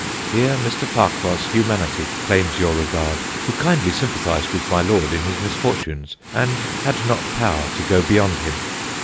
Here Mr. Farquhar's humanity claims your regard, who kindly sympathised with My Lord in his misfortunes, and had not power to go beyond him.